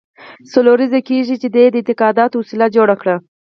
څلور لسیزې کېږي چې دې اعتقاداتو وسله جوړه کړې.